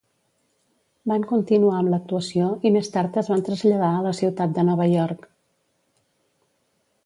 Van continuar amb l'actuació i més tard es van traslladar a la ciutat de Nova York.